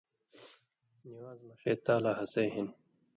نِوان٘ز مہ ݜے تالا ہَسَیں ہِن